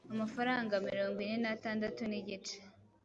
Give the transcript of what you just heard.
amafaranga mirongo ine n'atandatu nigice